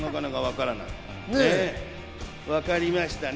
わかりましたね。